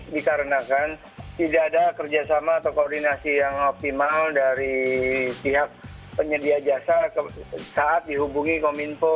dikarenakan tidak ada kerjasama atau koordinasi yang optimal dari pihak penyedia jasa saat dihubungi kominfo